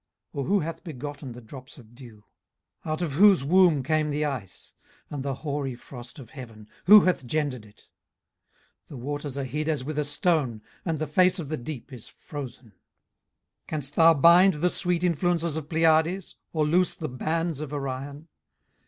or who hath begotten the drops of dew? 18:038:029 Out of whose womb came the ice? and the hoary frost of heaven, who hath gendered it? 18:038:030 The waters are hid as with a stone, and the face of the deep is frozen. 18:038:031 Canst thou bind the sweet influences of Pleiades, or loose the bands of Orion?